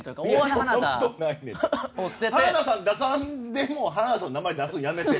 花田さん出さんでも花田さんの名前出すんやめて。